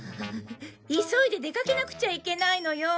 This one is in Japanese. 急いで出かけなくちゃいけないのよ。